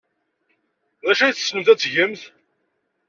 D acu ay tessnemt ad tgemt?